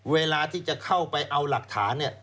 เวลาที่จะเข้าไปเอาหลักฐานเนี่ย